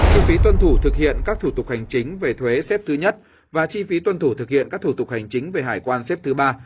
thu phí tuân thủ thực hiện các thủ tục hành chính về thuế xếp thứ nhất và chi phí tuân thủ thực hiện các thủ tục hành chính về hải quan xếp thứ ba